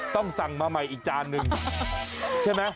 ต้องสั่งมาใหม่อีกจานนึงใช่ไหม